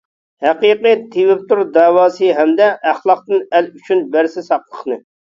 ھەقىقىي تېۋىپتۇر داۋاسى ھەمدە، -ئەخلاقتىن ئەل ئۈچۈن بەرسە ساقلىقنى.